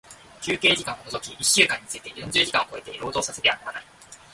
休憩時間を除き一週間について四十時間を超えて、労働させてはならない。